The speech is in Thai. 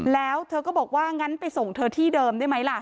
แล้วเธอก็บอกว่างั้นไปส่งเธอที่เดิมได้ไหมล่ะ